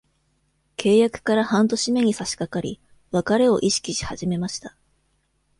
契約から半年目に差しかかり、別れを意識し始めました。